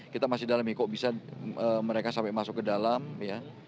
kita masih dalami kok bisa mereka sampai masuk ke dalam ya